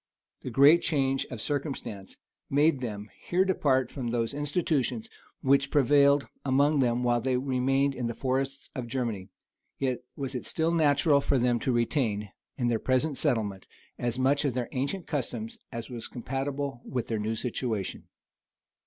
The great change of circumstances made them here depart from those institutions which prevailed among them while they remained in the forests of Germany; yet was it still natural for them to retain, in their present settlement, as much of their ancient customs as was compatible with their new situation.